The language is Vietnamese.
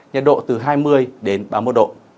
nhật độ từ hai mươi ba mươi một độ